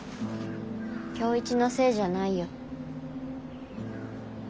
今日一のせいじゃないよ。